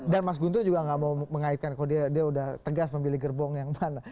dan mas guntur juga nggak mau mengaitkan kalau dia udah tegas memilih gerbong yang mana